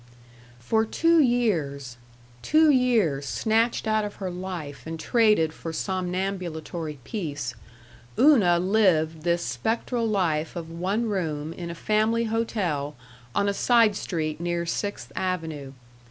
For two years two years snatched out of her life and traded for somnambulatory peace, Una lived this spectral life of one room in a family hotel on a side street near Sixth Avenue.